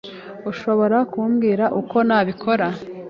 Ushobora kumbwira uko nabikora?